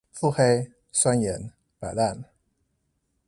腹黑、酸言、擺爛